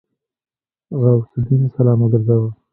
غوث الدين سلام وګرځاوه.